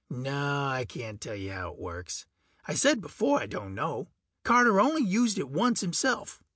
No, I can't tell you how it works I said before I don't know. Carter only used it once himself.